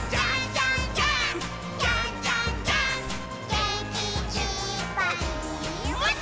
「げんきいっぱいもっと」